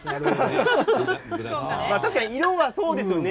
確かに色はそうですね。